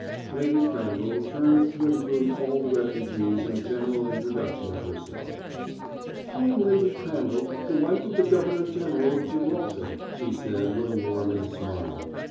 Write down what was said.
Lady Crandall turned to include all the refugees in a general introduction of herself. "I am Lady Crandall, the wife of the governor general of Gibraltar," she said, with a warming smile.